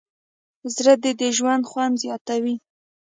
زړه د ژوند خوند زیاتوي.